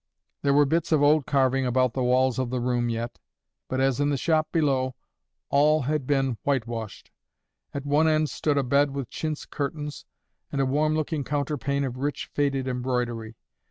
There were bits of old carving about the walls of the room yet, but, as in the shop below, all had been whitewashed. At one end stood a bed with chintz curtains and a warm looking counterpane of rich faded embroidery.